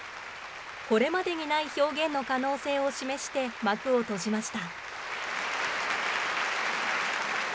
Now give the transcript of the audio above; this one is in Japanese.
これまでにない表現の可能性を示して幕を閉じました。